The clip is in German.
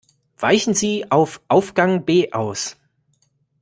Weichen Sie auf Aufgang B aus.